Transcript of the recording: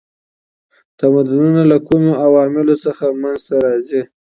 تمدنونه له کومو عواملو څخه منځ ته راځي؟